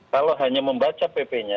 kalau hanya membaca pp nya